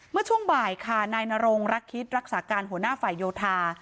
เมื่อช่วงบ่ายค่ะนายนรงรักคิดรักษาการหัวหน้าฝ่ายโยธา